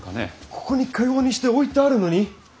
ここにかようにして置いてあるのに！？